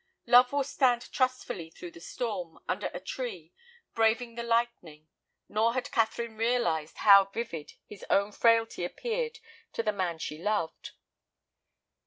Love will stand trustfully through the storm, under a tree, braving the lightning; nor had Catherine realized how vivid his own frailty appeared to the man she loved.